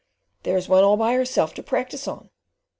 "There's one all by herself to practice on."